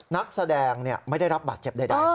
นักแสดงไม่ได้รับบาดเจ็บใด